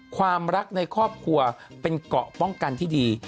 ความรักในครอบครัวเป็นเกาะป้องกันที่ดี